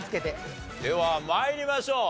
では参りましょう。